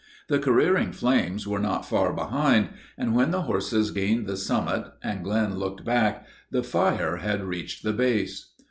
The careering flames were not far behind, and, when the horses gained the summit and Glenn looked back, the fire had reached the base!